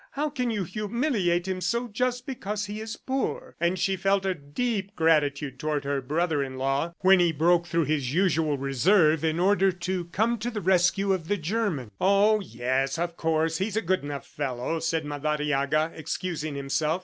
How can you humiliate him so just because he is poor?" And she felt a deep gratitude toward her brother in law when he broke through his usual reserve in order to come to the rescue of the German. "Oh, yes, of course, he's a good enough fellow," said Madariaga, excusing himself.